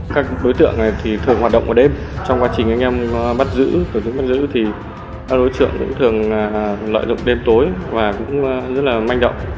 các đối tượng này thì thường hoạt động vào đêm trong quá trình anh em bắt giữ tổ chức bắt giữ thì các đối tượng vẫn thường lợi dụng đêm tối và cũng rất là manh động